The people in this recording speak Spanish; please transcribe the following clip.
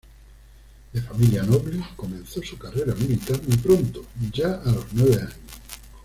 De familia noble, comenzó su carrera militar muy pronto, ya a los nueve años.